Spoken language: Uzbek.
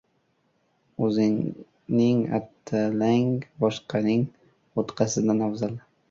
• O‘zingning atalang boshqaning bo‘tqasidan afzal.